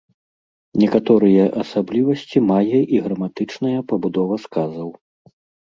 Некаторыя асаблівасці мае і граматычная пабудова сказаў.